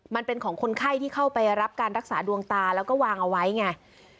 มันเป็นของคนไข้ที่เข้าไปรับการรักษาดวงตาแล้วก็วางเอาไว้ไง